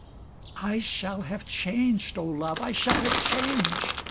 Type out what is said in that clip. I shall have changed, O love, I shall have changed